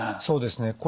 そうですね。